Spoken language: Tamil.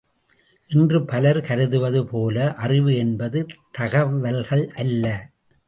இன்று பலர் கருதுவது போல அறிவு என்பது தகவல்கள் அல்ல.